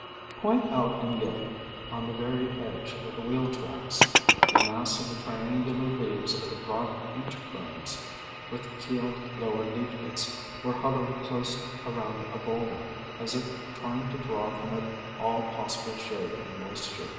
Quite out in the open, on the very edge of the wheel tracks, a mass of the triangular leaves of the Broad Beech Ferns, with keeled lower leaflets, were huddled close around a boulder, as if trying to draw from it all possible shade and moisture.